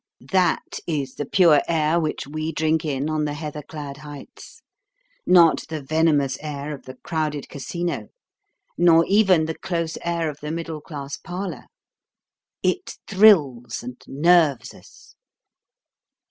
That is the pure air which we drink in on the heather clad heights not the venomous air of the crowded casino, nor even the close air of the middle class parlour. It thrills and nerves us.